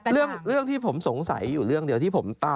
แล้วก็มีแผนที่เขตรักษาพันธุ์สัตว์ป่า